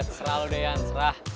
serah lo deyan serah